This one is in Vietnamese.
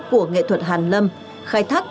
của nghệ thuật hàn lâm khai thác